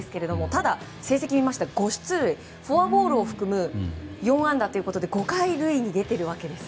ただ、成績を見ましたら５出塁フォアボールを含む４安打で５回、塁に出ているわけです。